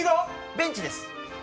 ベンチです。